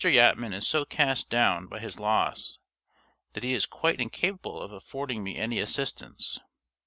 Yatman is so cast down by his loss that he is quite incapable of affording me any assistance.